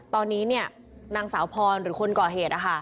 ตอนนี้เนี่ยนางสาวพรหรือคนก่อเหตุ